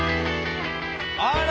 あら！